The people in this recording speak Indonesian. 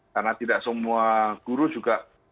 karena tidak semua guru juga